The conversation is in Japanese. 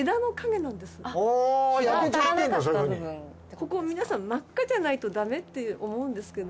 ここ皆さん真っ赤じゃないとダメって思うんですけど。